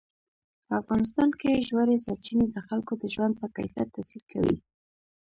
په افغانستان کې ژورې سرچینې د خلکو د ژوند په کیفیت تاثیر کوي.